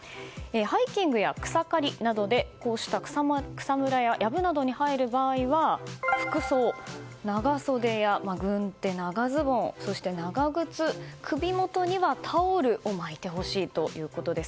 ハイキングや草刈りなどでこうした草むらややぶなどに入る場合は服装は長袖や軍手、長ズボンそして長靴、首元にはタオルを巻いてほしいということです。